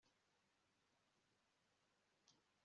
n'abacuruzi baduha nkenerwa